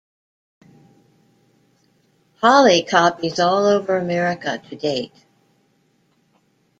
Holi copies all over America to date.